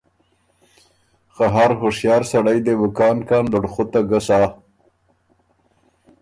خه هر هُشیار سړئ دې بُو کان کان لُړخُته ګۀ سَۀ۔